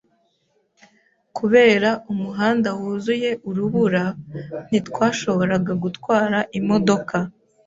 Kubera umuhanda wuzuye urubura, ntitwashoboraga gutwara imodoka.